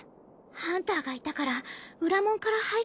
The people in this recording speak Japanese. ハンターがいたから裏門から入ったの。